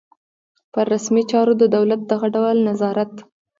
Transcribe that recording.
پر رسمي چارو د دولت دغه ډول نظارت.